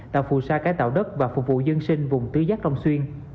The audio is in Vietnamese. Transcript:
tạo phù sa cải tạo đất và phục vụ dân sinh vùng tứ giác long xuyên